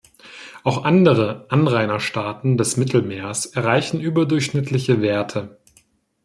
Auch andere Anrainerstaaten des Mittelmeers erreichen überdurchschnittliche Werte.